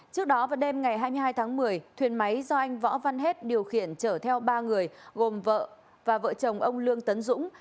trước đó vào đêm ngày hai mươi hai tháng một mươi thuyền máy do anh võ văn hết điều khiển chở theo ba người gồm vợ và vợ chồng ông lương tấn dũng